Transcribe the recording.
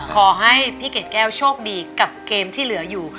ขอให้พี่เกดแก้วโชคดีกับเกมที่เหลืออยู่